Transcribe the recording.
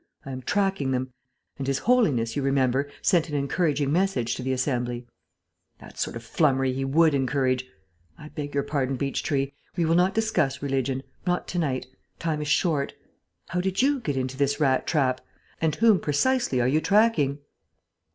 I am tracking them. And His Holiness, you remember, sent an encouraging message to the Assembly " "The sort of flummery he would encourage.... I beg your pardon, Beechtree. We will not discuss religion: not to night. Time is short. How did you get into this rat trap? And whom, precisely, are you tracking?"